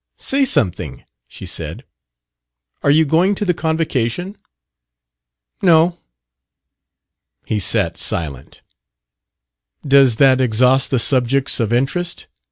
"Say something," she said. "Are you going to the convocation?" "No." He sat silent. "Does that exhaust the subjects of interest?"